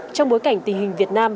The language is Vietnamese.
trong bối cảnh tình hình việt nam